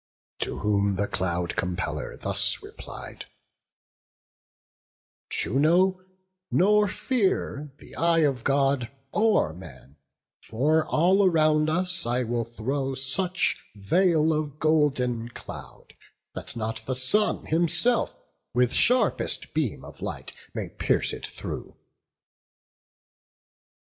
To whom the Cloud compeller thus replied: "Juno, nor fear the eye of God or man; For all around us I will throw such veil Of golden cloud, that not the sun himself With sharpest beam of light may pierce it through."